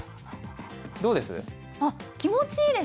どうです？